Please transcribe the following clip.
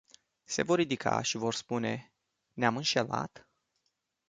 Se vor ridica și vor spune "Ne-am înșelat”?